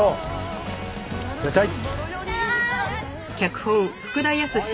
いってらっしゃい！